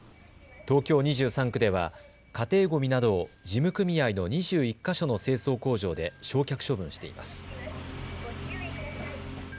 東京２３区では家庭ごみなどを事務組合の２１か所の清掃工場で焼却処分しています。